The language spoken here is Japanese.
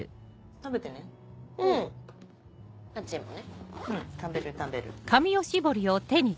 食べる食べる。